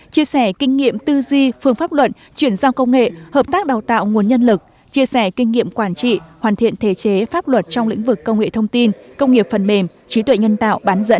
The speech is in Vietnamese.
chia sẻ kinh nghiệm tư duy phương pháp luận chuyển giao công nghệ hợp tác đào tạo nguồn nhân lực chia sẻ kinh nghiệm quản trị hoàn thiện thể chế pháp luật trong lĩnh vực công nghệ thông tin công nghiệp phần mềm trí tuệ nhân tạo